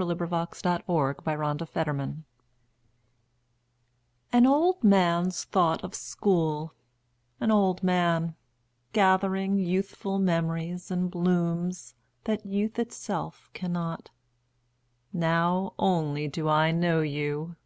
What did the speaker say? An Old Man's Thought of School AN old man's thought of School; An old man, gathering youthful memories and blooms, that youth itself cannot. Now only do I know you!